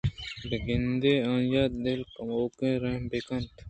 بہ گندے آئی ءِ دل کموکیں رحم بہ کنت